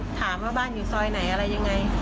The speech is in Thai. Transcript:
ถามว่าบ้านอยู่ซอยไหนอะไรยังไง